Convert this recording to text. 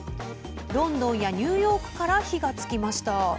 ロンドンやニューヨークから火がつきました。